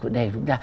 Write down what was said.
với chúng ta